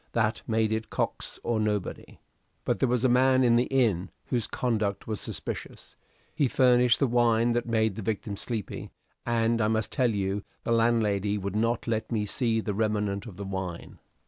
That made it Cox or nobody. But there was a man in the inn whose conduct was suspicious. He furnished the wine that made the victim sleepy and I must tell you the landlady would not let me see the remnant of the wine.